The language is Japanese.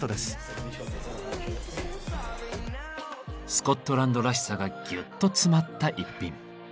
スコットランドらしさがぎゅっと詰まった一品。